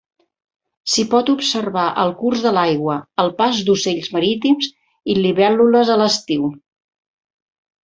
S'hi pot observar el curs de l'aigua, el pas d'ocells marítims, i libèl·lules a l'estiu.